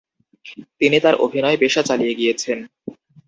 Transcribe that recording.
তিনি তার অভিনয় পেশা চালিয়ে গিয়েছেন।